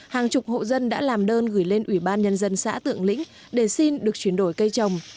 hàng chục hộ dân đã làm đơn gửi lên ủy ban nhân dân xã tượng lĩnh để xin được chuyển đổi cây trồng